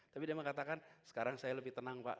tapi dia mengatakan sekarang saya lebih tenang pak